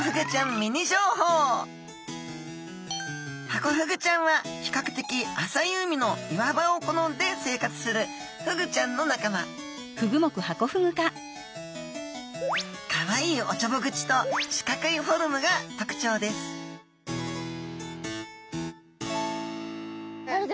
ハコフグちゃんは比較的浅い海の岩場を好んで生活するフグちゃんの仲間かわいいおちょぼ口と四角いフォルムが特徴ですあれ？